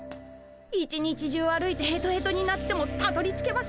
一日中歩いてヘトヘトになってもたどりつけません。